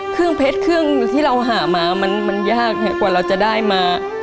เครื่องเพชรเครื่องที่เราหามามันยากกว่าเราจะได้มา